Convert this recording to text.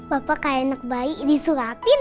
papa kayak anak bayi disuapin